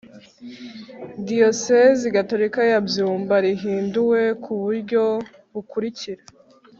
Diyosezi Gatolika ya Byumba rihinduwe ku buryo bukurikira